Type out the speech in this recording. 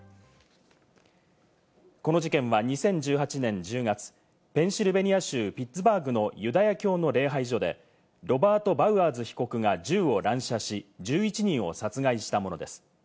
この事件は２０１８年１０月、ペンシルベニア州ピッツバーグのユダヤ教の礼拝所で、ロバート・バウアーズ被告が銃を乱射し、１１人を殺害したものです。